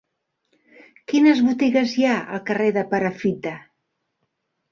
Quines botigues hi ha al carrer de Perafita?